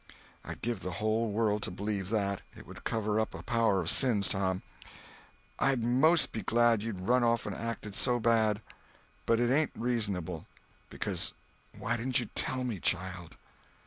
"I'd give the whole world to believe that—it would cover up a power of sins, Tom. I'd 'most be glad you'd run off and acted so bad. But it ain't reasonable; because, why didn't you tell me, child?"